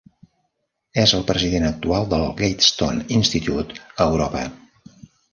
És el president actual del Gatestone Institute a Europa.